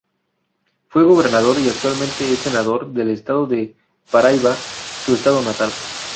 Fue gobernador, y actualmente es senador, del estado de Paraíba, su estado natal.